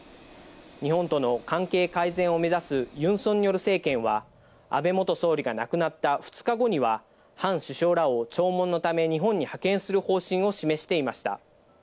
日本との関係改善を目指すユン・ソンニョル政権は、安倍元総理が亡くなった２日後には、ハン首相らを弔問のため日本に派遣する方針を示していました。